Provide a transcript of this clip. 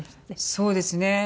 そうですね。